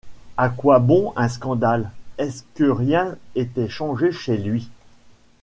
À quoi bon un scandale? est-ce que rien était changé chez lui ?